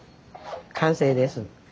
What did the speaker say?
完成です。